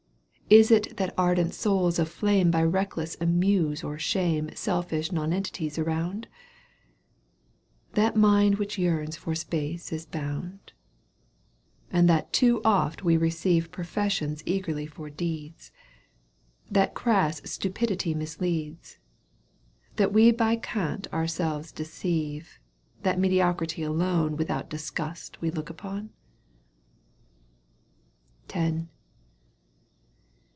Is it that ardent souls of flame By recklessness amuse or shame Selfish nonentities around ? That mind which yearns for space is bound ? And that too often we receive Professions eagerly for deeds. That crass stupidity misleads, That we by cant ourselves deceive, That mediocrity alone Without disgust we look upon